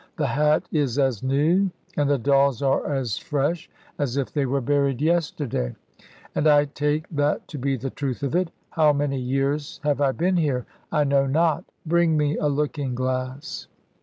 The hat is as new and the dolls are as fresh as if they were buried yesterday. And I take that to be the truth of it. How many years have I been here? I know not. Bring me a looking glass."